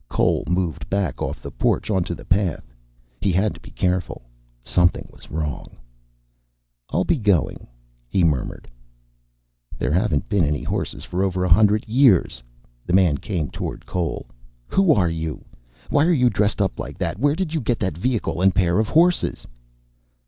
Cole moved back off the porch, onto the path. He had to be careful. Something was wrong. "I'll be going," he murmured. "There haven't been any horses for over a hundred years." The man came toward Cole. "Who are you? Why are you dressed up like that? Where did you get that vehicle and pair of horses?"